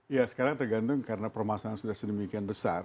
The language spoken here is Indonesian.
ya sekarang tergantung karena permasalahan sudah sedemikian besar